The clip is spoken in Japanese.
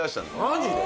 マジで？